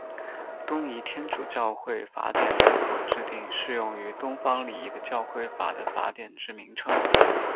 东仪天主教会法典联合制定适用于东方礼仪的教会法的法典之名称。